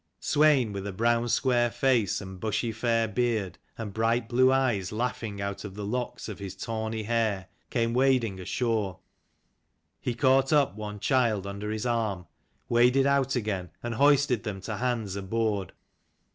Swein, with a brown square face, and bushy fair beard, and bright blue eyes laughing out of the locks of his tawny hair, came wading ashore. He caught up one child under each arm, waded out again, and hoisted them to hands aboard.